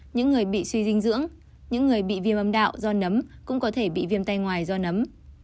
những người bị suy dinh dưỡng những người bị viêm ấm đạo do nấm cũng có thể bị viêm tay ngoài do nấm